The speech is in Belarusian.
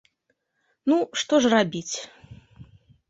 Ну, што ж рабіць?